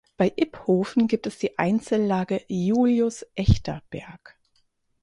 Bei Iphofen gibt es die Einzellage "Julius-Echter-Berg".